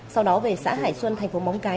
sau đó về xã hải xuân thành phố móng cái